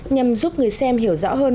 nhằm giúp người xem hiểu rõ hơn